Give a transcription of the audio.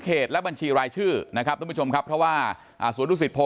และบัญชีรายชื่อนะครับทุกผู้ชมครับเพราะว่าสวนดุสิตโพ